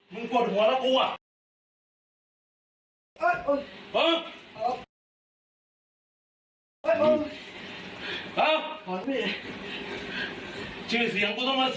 มึงกวดหัวแล้วกลัว